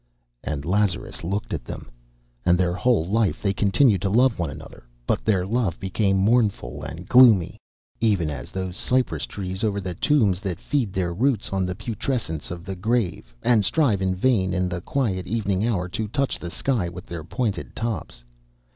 And Lazarus looked at them. And their whole life they continued to love one another, but their love became mournful and gloomy, even as those cypress trees over the tombs that feed their roots on the putrescence of the grave, and strive in vain in the quiet evening hour to touch the sky with their pointed tops.